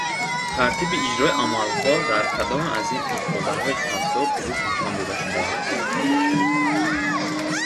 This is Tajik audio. Тартиби иҷрои амалҳо дар кадоме аз ин ифодаҳои қавсдор дуруст нишон дода шудааст?